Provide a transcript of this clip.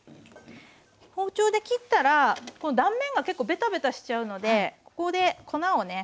包丁で切ったら断面が結構ベタベタしちゃうのでここで粉をね